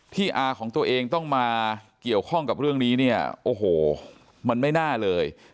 อาของตัวเองต้องมาเกี่ยวข้องกับเรื่องนี้เนี่ยโอ้โหมันไม่น่าเลย